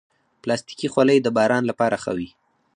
پلاستيکي خولۍ د باران لپاره ښه وي.